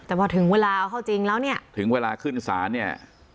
แต่พอถึงเวลาเอาเข้าจริงแล้วเนี่ยถึงเวลาขึ้นศาลเนี่ย